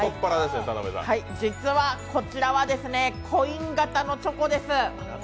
実はこちらはコイン型のチョコです。